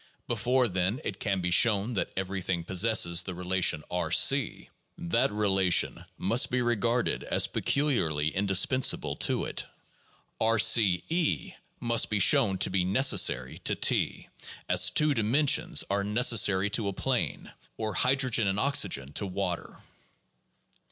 Before, then, it can be shown that everything possesses the relation R B , that relation must be regarded as peculiarly indispen sable to it. R C (E) must be shown to be necessary to T, as two di mensions are necessary to a plane, or hydrogen and oxygen to water.